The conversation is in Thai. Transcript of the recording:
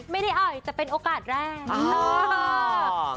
ไม่ได้อ่อยแต่เป็นโอกาสแรก